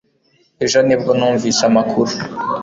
Ejo ni bwo numvise amakuru